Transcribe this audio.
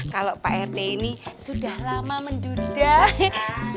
kalau pak rt ini sudah lama mendudak